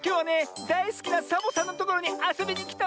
だいすきなサボさんのところにあそびにきたわよ。